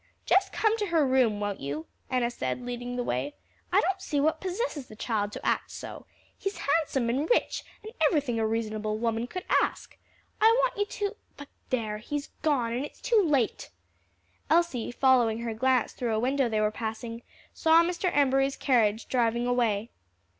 "Just come to her room, won't you?" Enna said, leading the way. "I don't see what possesses the child to act so. He's handsome and rich and everything a reasonable woman could ask. I want you to But there! he's gone, and it's too late!" Elsie following her glance through a window they were passing, saw Mr. Embury's carriage driving away.